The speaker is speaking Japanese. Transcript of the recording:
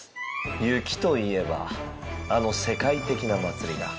雪といえばあの世界的な祭りだ。